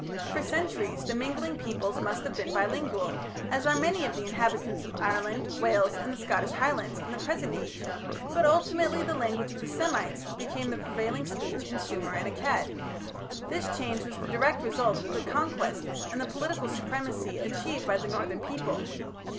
For centuries the mingling peoples must have been bilingual, as are many of the inhabitants of Ireland, Wales, and the Scottish Highlands in the present age, but ultimately the language of the Semites became the prevailing speech in Sumer and Akkad. This change was the direct result of the conquests and the political supremacy achieved by the northern people.